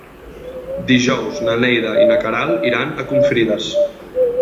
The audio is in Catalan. Dijous na Neida i na Queralt iran a Confrides.